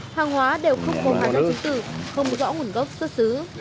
hàng hóa đều không có hành động chính tự không rõ nguồn gốc xuất xứ